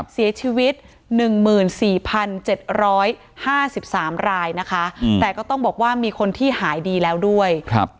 เสียชีวิต๑๔๗๕๓รายนะคะแต่ก็ต้องบอกว่ามีคนที่หายดีแล้วด้วย